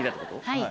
はい。